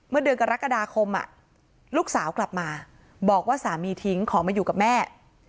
เดือนกรกฎาคมลูกสาวกลับมาบอกว่าสามีทิ้งขอมาอยู่กับแม่